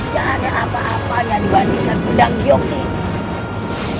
tak ada apa apa yang dibandingkan pedang giong ini